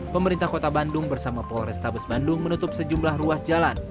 pemerintah kota bandung bersama polrestabes bandung menutup sejumlah ruas jalan